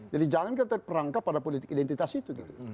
jadi jangan kita terperangkap pada politik identitas itu gitu